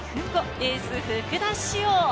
エース・福田師王。